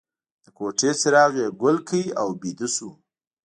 د کوټې څراغ یې ګل کړ او ویده شو